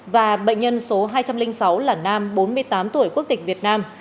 và bệnh nhân số hai trăm linh sáu là nam bốn mươi tám tuổi quốc tịch việt nam